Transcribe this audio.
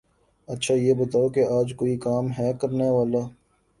اچھا یہ بتاؤ کے آج کوئی کام ہے کرنے والا؟